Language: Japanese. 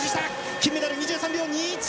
金メダル、２３秒２１！